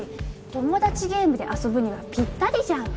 トモダチゲームで遊ぶにはぴったりじゃん！